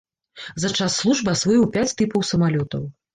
За час службы асвоіў пяць тыпаў самалётаў.